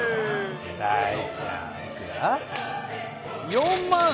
太ちゃんいくら？